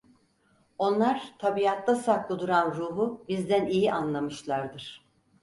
Onlar tabiatta saklı duran ruhu bizden iyi anlamışlardır.